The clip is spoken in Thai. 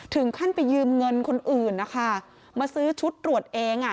ถึงขั้นไปยืมเงินคนอื่นนะคะมาซื้อชุดตรวจเองอ่ะ